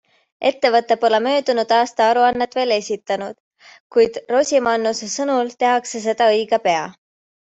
Ettevõte pole möödunud aasta aruannet veel esitanud, kuid Rosimannuse sõnul tehakse seda õige pea.